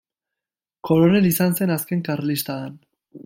Koronel izan zen azken Karlistadan.